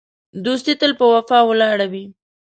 دوستي تل په وفا ولاړه وي.